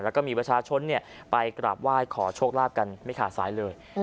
แล้วก็มีประชาชนไปกราบไหว้ขอโชคลาภกันไม่ขาดสายเลย